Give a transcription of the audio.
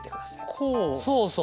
そうそうそう。